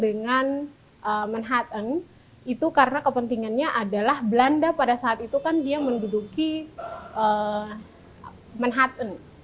dengan manhattan karena kepentingannya adalah belanda pada saat itu menduduki manhattan